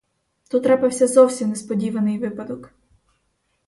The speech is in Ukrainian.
Тут трапився зовсім несподіваний випадок.